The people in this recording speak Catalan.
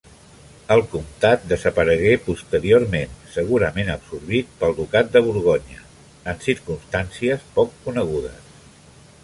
El comtat desaparegué posteriorment segurament absorbit pel ducat de Borgonya, en circumstàncies poc conegudes.